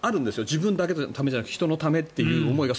自分だけのためじゃなくて人のためという思いが。